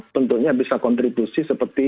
tentunya bisa kontribusi